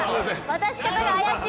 渡し方が怪しい。